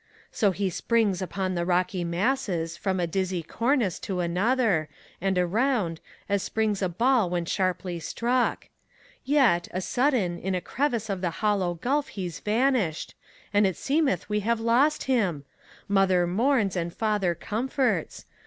So he springs upon the rocky masses, from a dizzy cornice To another, and around, as springs a ball when sharply struck. Yet, a sudden, in a crevice of the hollow gulf he's van ished, And it seemeth we have lost him I Mother mourns^ and father comforts.